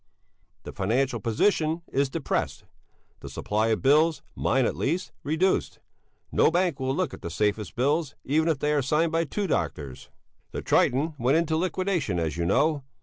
The financial position is depressed. The supply of bills, mine at least, reduced; no bank will look at the safest bills, even if they are signed by two doctors. The "Triton" went into liquidation, as you know.